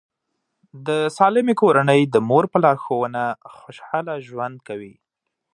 د سالمې کورنۍ د مور په لارښوونه خوشاله ژوند کوي.